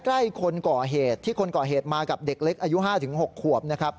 ใกล้คนก่อเหตุที่คนก่อเหตุมากับเด็กเล็กอายุ๕๖ขวบนะครับ